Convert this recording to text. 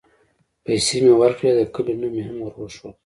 پيسې مې وركړې د كلي نوم مې هم وروښود.